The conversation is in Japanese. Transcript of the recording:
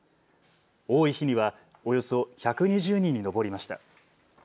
多い日にはおよそ１２０人に上りました。